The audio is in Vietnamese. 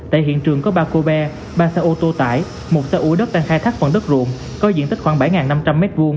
tại hiện trường có ba kobe ba xe ô tô tải một xe úa đất đang khai thác phần đất ruộng có diện tích khoảng bảy năm trăm linh m hai